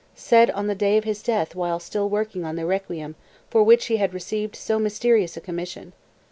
(Said on the day of his death while still working on the "Requiem" for which he had received so mysterious a commission.